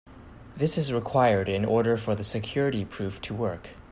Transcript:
This is required in order for the security proof to work.